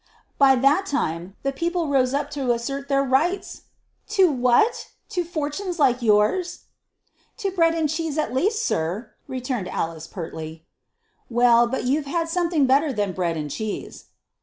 "By that time the people'd have rose to assert their rights." "To what? To fortunes like yours?" "To bread and cheese at least, sir," returned Alice, pertly. "Well, but you've had something better than bread and cheese."